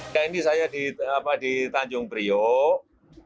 nah ini saya di tanjung priok